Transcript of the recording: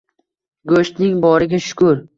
Go`shtning boriga shukur